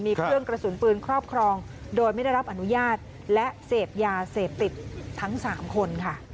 มีเครื่องกระสุนปืนครอบครองโดยไม่ได้รับอนุญาตและเสพยาเสพติดทั้ง๓คนค่ะ